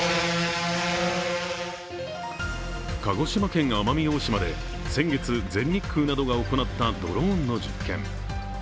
鹿児島県奄美大島で先月、全日空などが行ったドローンの実験。